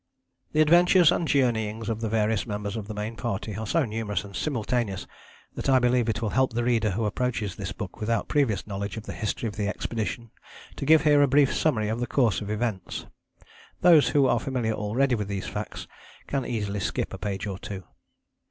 The adventures and journeyings of the various members of the Main Party are so numerous and simultaneous that I believe it will help the reader who approaches this book without previous knowledge of the history of the expedition to give here a brief summary of the course of events. Those who are familiar already with these facts can easily skip a page or two.